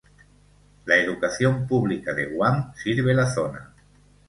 La Educación pública de Guam sirve la zona.